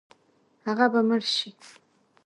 هغه به مړ شي.